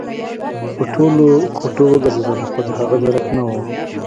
په ټولو کوټو وګرځېدم خو د هغه درک نه و